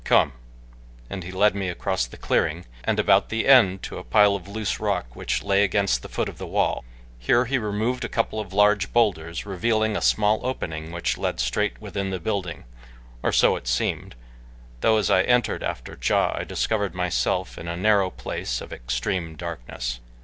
Come," and he led me across the clearing and about the end to a pile of loose rock which lay against the foot of the wall. Here he removed a couple of large bowlders, revealing a small opening which led straight within the building, or so it seemed, though as I entered after Ja I discovered myself in a narrow place of extreme darkness.